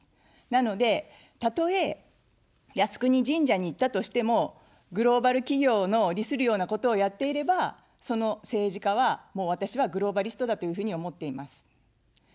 なので、たとえ靖国神社に行ったとしてもグローバル企業の利するようなことをやっていれば、その政治家は、もう私はグローバリストだというふうに思っています。